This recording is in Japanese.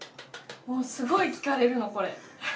もうすごい聞かれるのこれ。